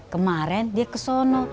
kemarin dia kesono